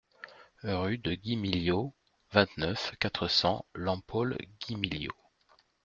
Rue de Guimiliau, vingt-neuf, quatre cents Lampaul-Guimiliau